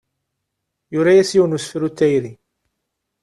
Yura-as yiwen n usefru n tayri.